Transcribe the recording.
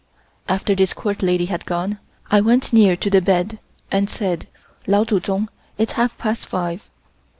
After this Court lady had gone, I went near to the bed and said: "Lao Tsu Tsung, it is half past five."